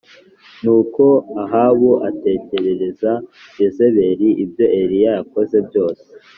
Nuko Ahabu atekerereza Yezebeli ibyo Eliya yakoze byose